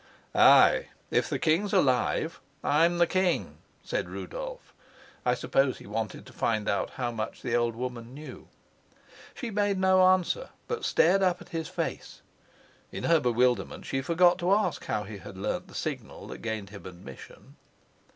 "Ay, if the king's alive, I'm the king," said Rudolf. I suppose he wanted to find out how much the old woman knew. She made no answer, but stared up at his face. In her bewilderment she forgot to ask how he had learnt the signal that gained him admission.